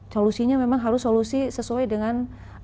solusinya memang harus solusi sesuai dengan